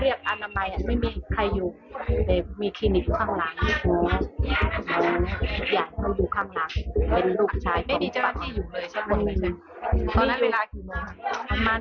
อยู่ในคลินิปข้างหลังอยู่อย่างอยู่ข้างหลัง